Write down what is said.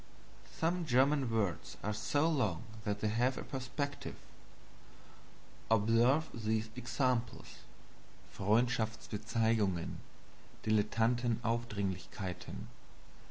Some German words are so long that they have a perspective. Observe these examples: Freundschaftsbezeigungen. Dilettantenaufdringlichkeiten.